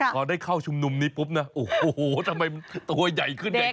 พอได้เข้าชุมนุมนี้ปุ๊บนะโอ้โหทำไมมันตัวใหญ่ขึ้นใหญ่